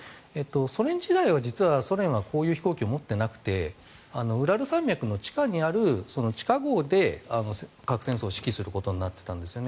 ソ連時代は実はソ連はこういう飛行機を持っていなくてウラル山脈の地下の地下壕で、核戦争を指揮することになっていたんですが。